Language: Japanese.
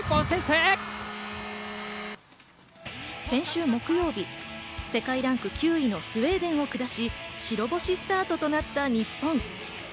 先週木曜日、世界ランク９位のスウェーデンを下し、白星スタートとなった日本。